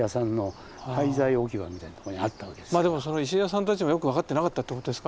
でもその石屋さんたちもよく分かってなかったってことですか？